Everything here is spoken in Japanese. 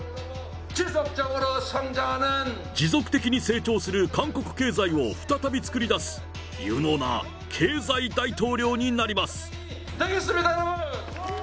持続的に成長する韓国経済を再び作り出す、有能な経済大統領になります。